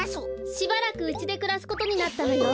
しばらくうちでくらすことになったのよ。